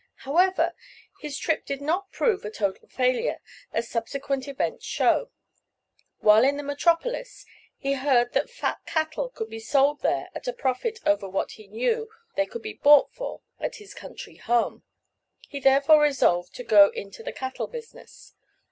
However, his trip did not prove a total failure, as subsequent events show. While in the metropolis he heard that fat cattle could be sold there at a profit over what he knew they could be bought for, at his country home. He therefore resolved to go into the cattle business.